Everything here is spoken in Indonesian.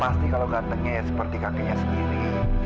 pasti kalau gantengnya ya seperti kakinya sendiri